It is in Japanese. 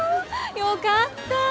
よかった。